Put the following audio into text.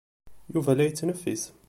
Yuba la yettneffis.